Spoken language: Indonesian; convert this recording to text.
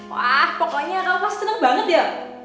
wah pokoknya kamu pasti seneng banget ya